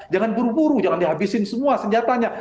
jangan buru buru jangan dihabisin semua senjatanya